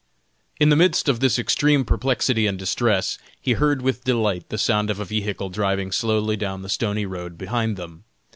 In the midst of this extreme perplexity and distress, he heard with delight the sound of a vehicle driving slowly down the stony road behind them.